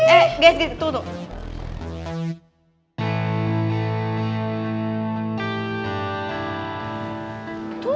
eh guys tuh tuh